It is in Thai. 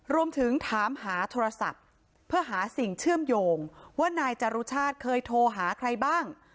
รวมถึงถามหาโทรศัพท์เพื่อหาสิ่งเชื่อมโยงว่านายจรุชาติเคยโทรหาใครบ้าง